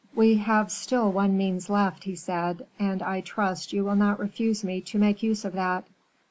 "We have still one means left," he said; "and I trust you will not refuse me to make use of that."